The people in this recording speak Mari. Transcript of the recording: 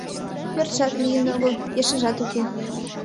Пӧртшат лийын огыл, ешыжат уке...